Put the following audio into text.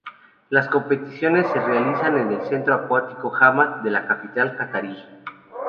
Las competiciones se realizaron en el Centro Acuático Hamad de la capital catarí.